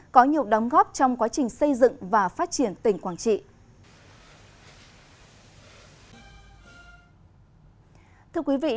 có nhiều đóng góp trong quá trình xây dựng và phát triển tỉnh quảng trị